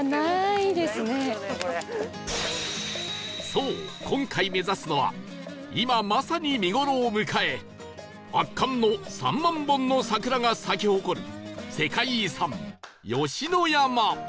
そう今回目指すのは今まさに見頃を迎え圧巻の３万本の桜が咲き誇る世界遺産吉野山